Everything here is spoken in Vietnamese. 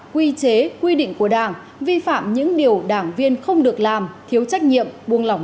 quy chế quy định của đảng vi phạm những điều đảng viên không được làm thiếu trách nhiệm buông lỏng